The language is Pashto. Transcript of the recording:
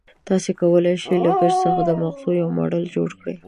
تاسې کولای شئ له ګچ څخه د مغزو یو ماډل جوړ کړئ.